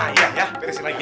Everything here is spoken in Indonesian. nah iya ya piresin lagi ya